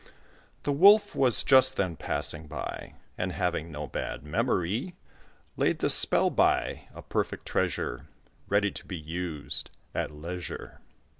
The Wolf was just then passing by, And having no bad memory, Laid the spell by, a perfect treasure Ready to be used at leisure.